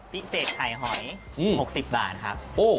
พิเศษไข่หอย๖๐บาทครับ